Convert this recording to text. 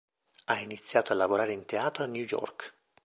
Ha iniziato a lavorare in teatro a New York.